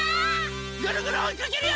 ぐるぐるおいかけるよ！